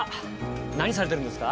何されてるんですか？